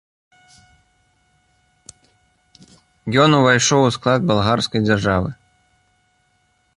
Ён увайшоў у склад балгарскай дзяржавы.